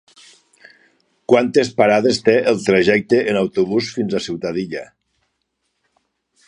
Quantes parades té el trajecte en autobús fins a Ciutadilla?